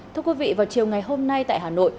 thưa quý vị vào chiều ngày hôm nay tại hà nội